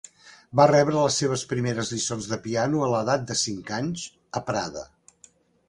Va rebre les seves primeres lliçons de piano a l'edat de cinc anys a Prada.